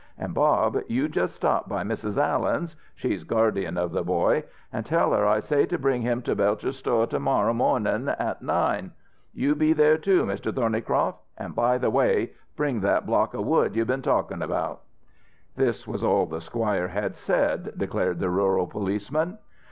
An', Bob, you just stop by Mrs. Allen's she's guardian of the boy an' tell her I say to bring him to Belcher's sto' to morrow mornin' at nine. You be there, too, Mr. Thornycroft an,' by the way, bring that block of wood you been talkin' about." That was all the squire had said, declared the rural policeman.